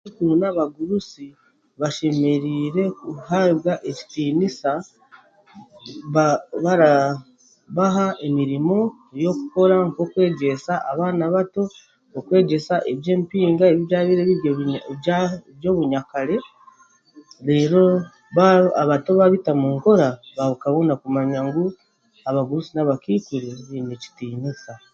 Abakaiku n'abagurusi baine kuhaabwa ekitiinisa ba baraa baha emirimo y'okwegyesa abaana bato okwegyesa eby'empinga ebyabaire biremire ab'obunyakare reero ba abato baabita omu nkora abakaikuru n'abagurusi baine ekitiinisa